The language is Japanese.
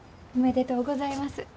おめでとうございます。